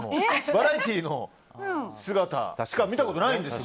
バラエティーの姿しか見たことないんです。